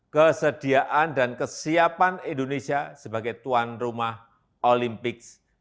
kesediaan dan kesiapan indonesia sebagai tuan rumah olimpiks dua ribu tiga puluh enam